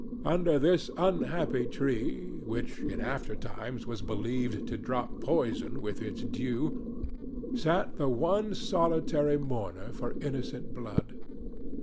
Under this unhappy tree—which in after times was believed to drop poison with its dew—sat the one solitary mourner for innocent blood.